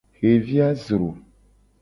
Xevi a zro.